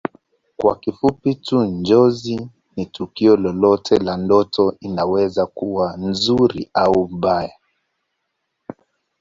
Kwa kifupi tu Njozi ni tukio lolote la ndoto inaweza kuwa nzuri au mbaya